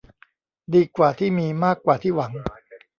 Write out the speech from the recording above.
ดีกว่าที่มีมากกว่าที่หวัง